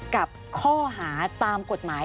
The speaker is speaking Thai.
กับข้อหาตามกฎหมาย